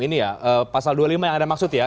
ini ya pasal dua puluh lima yang anda maksud ya